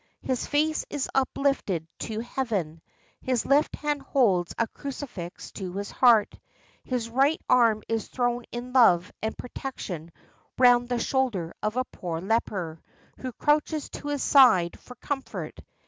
His face is upHfted to heaven, his left hand holds a crucifix to his heart, his right arm is thrown in love and protection round the shoulder of a poor leper, who crouches to his side for comfort.